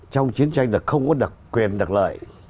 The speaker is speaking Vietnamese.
trong chiến tranh là không có quyền đặc lợi